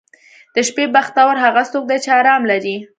• د شپې بختور هغه څوک دی چې آرام لري.